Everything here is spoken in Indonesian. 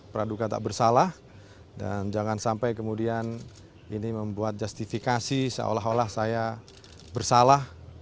praduka tak bersalah dan jangan sampai kemudian ini membuat justifikasi seolah olah saya bersalah